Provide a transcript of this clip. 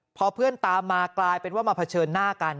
พอเพื่อนตามมากลายเป็นว่ามาเผชิญหน้ากัน